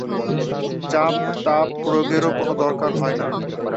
তাপ-চাপ প্রয়োগেরও দরকার হয় না।